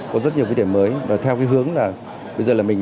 có rất nhiều vấn đề mới theo hướng là bây giờ là mình